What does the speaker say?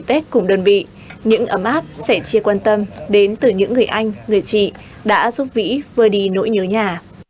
tết cùng đơn vị những ấm áp sẽ chia quan tâm đến từ những người anh người chị đã giúp vĩ vơi đi nỗi nhớ nhà